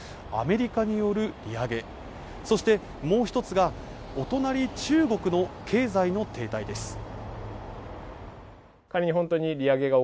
アメリカによる利上げそしてもう一つがお隣中国の経済の停滞です